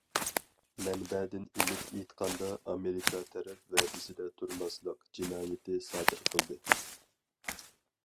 مەنبەدىن ئېلىپ ئېيتقاندا، ئامېرىكا تەرەپ« ۋەدىسىدە تۇرماسلىق» جىنايىتى سادىر قىلدى.